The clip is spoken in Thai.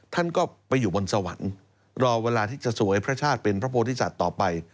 ท่านก็ไปอยู่บนสวรรค์รอเวลาที่จะสวยพระชาติเป็นพระโพธิสัตว์ต่อไป